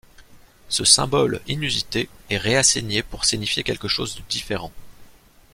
Ce symbole inusité est réassigné pour signifier quelque chose de différent.